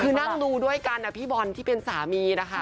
คือนั่งดูด้วยกันนะพี่บอลที่เป็นสามีนะคะ